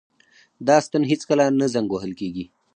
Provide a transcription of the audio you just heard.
دا ستن هیڅکله نه زنګ وهل کیږي.